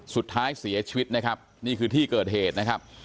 สุดท้ายเสียชีวิตนะครับนี่คือที่เกิดเหตุนะครับ